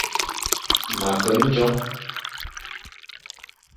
Ma ke ndjong.